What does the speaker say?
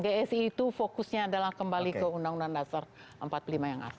gsi itu fokusnya adalah kembali ke undang undang dasar empat puluh lima yang ada